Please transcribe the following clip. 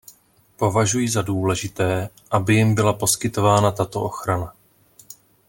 Považuji za důležité, aby jim byla poskytována tato ochrana.